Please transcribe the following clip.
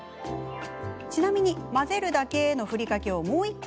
ちなみに、混ぜるだけのふりかけをもう一品。